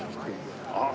ああ